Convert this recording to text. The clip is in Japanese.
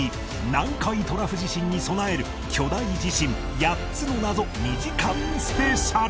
南海トラフ地震に備える巨大地震８つの謎２時間スペシャル